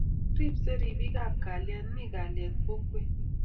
Ribsei ripikab kalyet, mi kalyet kokwet